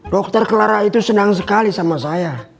dokter clara itu senang sekali sama saya